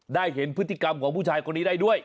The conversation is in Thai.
ได้เห็นพฤติกรรมของผู้ชายคนนี้ได้ด้วย